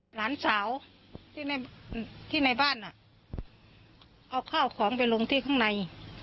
หลานจ๋าวที่ในที่ในบ้านน่ะเอาข้าวของไปลงที่ข้างใน